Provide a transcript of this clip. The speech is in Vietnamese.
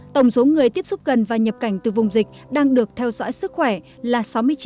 tổng số người tiếp xúc gần và nhập cảnh từ vùng dịch đang được theo dõi sức khỏe là sáu mươi chín bốn trăm tám mươi bảy